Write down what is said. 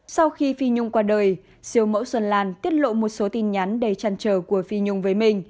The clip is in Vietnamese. sau khi phi nhung qua đời siêu mẫu xuân lan tiết lộ một số tin nhắn đầy chăn trở của phi nhung với mình